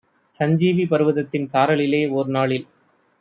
சஞ்சீவி பர்வதத்தின் சாரலிலே ஓர்நாளில்